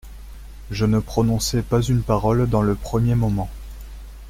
Je ne prononçai pas une parole dans le premier moment.